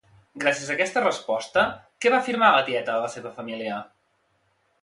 Gràcies a aquesta resposta, què va afirmar la tieta a la seva família?